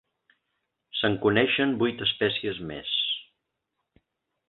Se'n coneixen vuit espècies més.